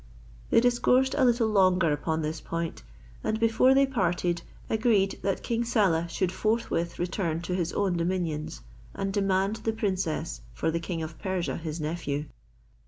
They discoursed a little longer upon this point and, before they parted, agreed that King Saleh should forthwith return to his own dominions, and demand the princess for the king of Persia his nephew.